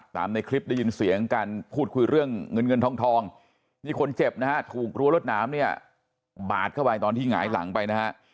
ในคลิปได้ยินเสียงการพูดคุยเรื่องเงินเงินทองนี่คนเจ็บนะฮะถูกรั้วรวดหนามเนี่ยบาดเข้าไปตอนที่หงายหลังไปนะฮะ